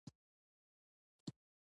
او خپل مازغۀ پۀ دې خبره قائل کړي